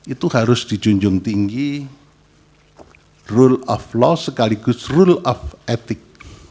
itu harus dijunjung tinggi rule of law sekaligus rule of etik